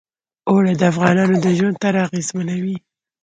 اوړي د افغانانو د ژوند طرز اغېزمنوي.